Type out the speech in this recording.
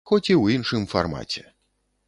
Хоць і ў іншым фармаце.